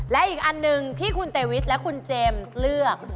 และอีกอันหนึ่งที่คุณเตวิสและคุณเจมส์เลือก